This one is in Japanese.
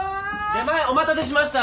出前お待たせしました。